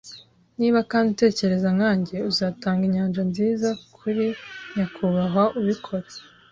Niba kandi utekereza nkanjye, uzatanga inyanja nziza kuri nyakubahwa ubikora. ”